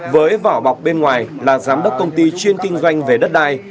với vỏ bọc bên ngoài là giám đốc công ty chuyên kinh doanh về đất đai